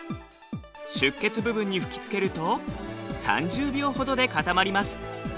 出血部分に吹きつけると３０秒ほどで固まります。